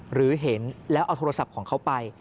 หรือเห็นแล้วเอาโทรศัพท์ของเขาไป